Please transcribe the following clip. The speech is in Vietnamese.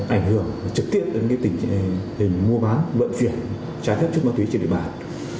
ảnh hưởng trực tiếp đến tình hình mua bán vận chuyển trái phép chất ma túy trên địa bàn